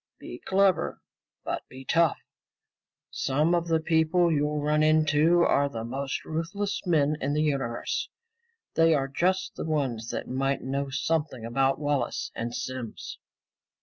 "Be clever, but be tough. Some of the people you'll run into are the most ruthless men in the universe. They are just the ones that might know something about Wallace and Simms."